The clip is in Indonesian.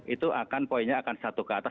itu akan poinnya akan satu ke atas